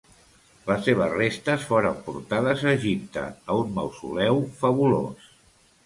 Les seves restes foren portades a Egipte a un mausoleu fabulós.